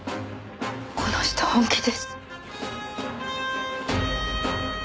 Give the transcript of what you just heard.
この人は本気です。